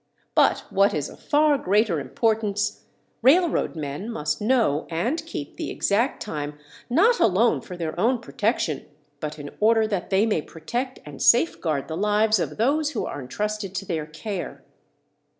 But what is of far greater importance, railroad men must know and keep the exact time not alone for their own protection but in order that they may protect and safeguard the lives of those who are entrusted to their care.